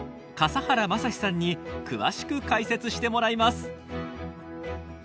笠原政志さんに詳しく解説してもらいます。